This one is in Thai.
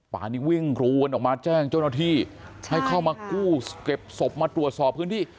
ป่านี้วิ่งกรูกันออกมาแจ้งเจ้าหน้าที่ให้เข้ามากู้เก็บศพมาตรวจสอบพื้นที่